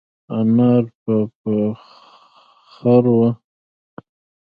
انار په پېخر وه.